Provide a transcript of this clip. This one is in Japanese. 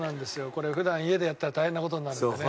これ普段家でやったら大変な事になるんだよね。